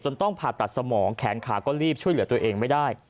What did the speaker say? ต้องผ่าตัดสมองแขนขาก็รีบช่วยเหลือตัวเองไม่ได้